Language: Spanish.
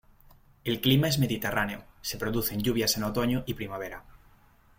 El clima es mediterráneo; se producen lluvias en otoño y primavera.